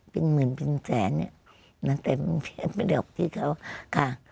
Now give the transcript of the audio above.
เป็นหมื่นเป็นแสนแต่มันเป็นแบบที่เขา